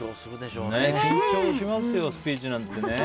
緊張しますよスピーチなんて。